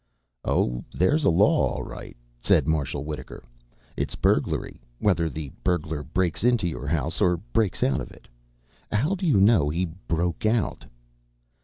"Oh, there's a law all right," said Marshal Wittaker. "It's burglary, whether the burglar breaks into your house or breaks out of it. How do you know he broke out?"